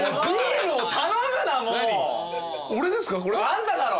あんただろ！